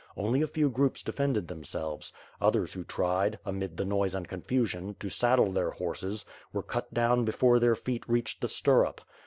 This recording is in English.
Only a few groups defended themselves. Others who tried, amid the noise and confusion, to saddle their horses, were cut down before their feet reached the stirrup.